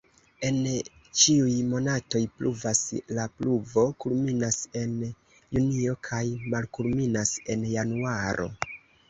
En ĉiuj monatoj pluvas, la pluvo kulminas en junio kaj malkulminas en januaro.